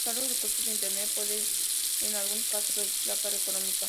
Utilizar los recursos de Internet puede, en algunos casos, reducir la carga económica.